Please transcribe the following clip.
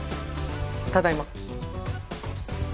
ただいま。